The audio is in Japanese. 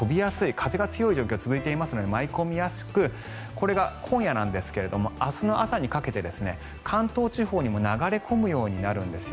風が強い状況が続いていますので舞い込みやすくこれが今夜なんですが明日の朝にかけて関東地方にも流れ込むようになるんです。